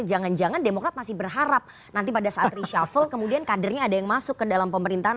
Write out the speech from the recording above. jangan jangan demokrat masih berharap nanti pada saat reshuffle kemudian kadernya ada yang masuk ke dalam pemerintahan